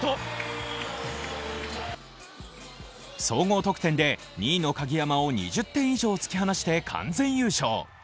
総合得点で２位の鍵山を２０点以上突き放して完全優勝。